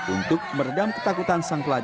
untuk meredam ketakutan